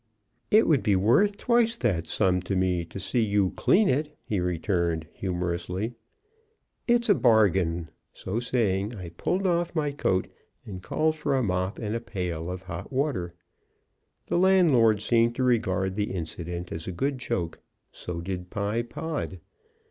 "It would be worth twice that sum to me to see you clean it," he returned, humorously. "It's a bargain!" so saying, I pulled off my coat, and called for a mop and a pail of hot water. The landlord seemed to regard the incident as a good joke; so did Pye Pod.